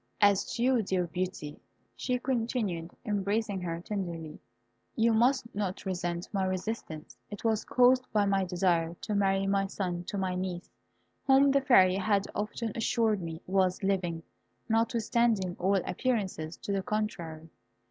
As to you, dear Beauty," she continued, embracing her tenderly, "you must not resent my resistance. It was caused by my desire to marry my son to my niece, whom the Fairy had often assured me was living, notwithstanding all appearances to the contrary.